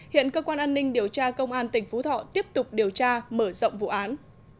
hiện cơ quan an ninh điều tra công an tỉnh phú thọ tiếp tục điều tra mở rộng vụ án